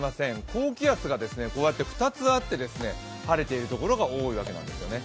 高気圧が２つあって晴れている所が多いわけなんですね。